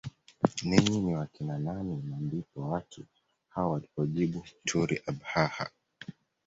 Ninyi ni wakina nani na ndipo watu hao walipojibu turi Abhaha